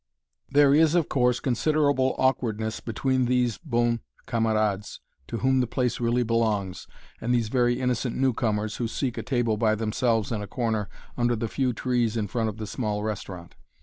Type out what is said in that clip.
There is, of course, considerable awkwardness between these bon camarades, to whom the place really belongs, and these very innocent new comers, who seek a table by themselves in a corner under the few trees in front of the small restaurant.